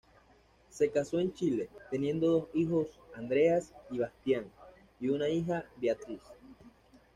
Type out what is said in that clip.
Se casó en Chile, teniendo dos hijos Andreas y Bastián, y una hija Beatrice.